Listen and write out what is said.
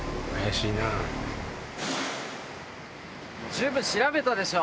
十分調べたでしょ。